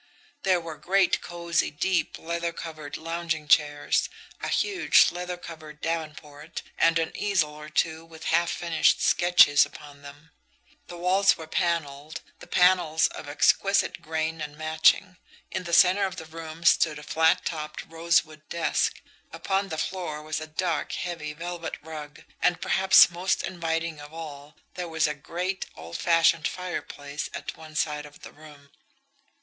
There were great cozy, deep, leather covered lounging chairs, a huge, leather covered davenport, and an easel or two with half finished sketches upon them; the walls were panelled, the panels of exquisite grain and matching; in the centre of the room stood a flat topped rosewood desk; upon the floor was a dark, heavy velvet rug; and, perhaps most inviting of all, there was a great, old fashioned fireplace at one side of the room.